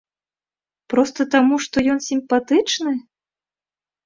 Проста таму, што ён сімпатычны?